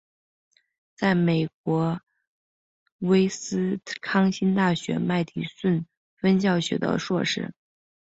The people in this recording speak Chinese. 在美国威斯康辛大学麦迪逊分校取得硕士。